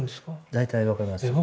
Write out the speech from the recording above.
大体分かりますよ。